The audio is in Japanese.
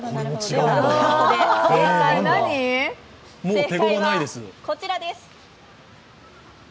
正解は、こちらです。